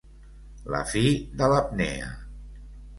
La fi de l'apnea.